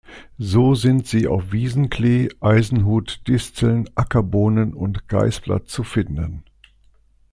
So sind sie auf Wiesen-Klee, Eisenhut, Disteln, Ackerbohnen und Geißblatt zu finden.